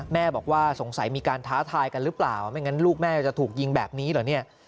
แม่บอกว่าสงสัยมีการท้าทายกันหรือเปล่าไม่งั้นลูกแม่จะถูกยิงแบบนี้เหรอเนี่ย